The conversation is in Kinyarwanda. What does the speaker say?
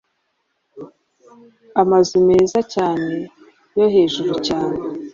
Amazu meza cyane yo hejurucyane